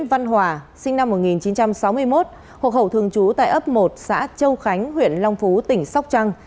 sinh năm một nghìn chín trăm sáu mươi một hộ khẩu thường chú tại ấp một xã châu khánh huyện long phú tỉnh sóc trăng